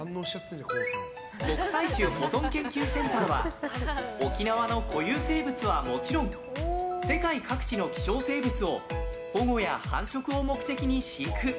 国際種保存研究センターは沖縄の固有生物はもちろん世界各地の希少生物を保護や繁殖を目的に飼育。